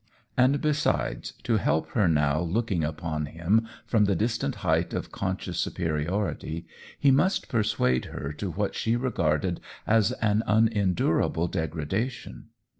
And besides, to help her now looking upon him from the distant height of conscious superiority, he must persuade her to what she regarded as an unendurable degradation!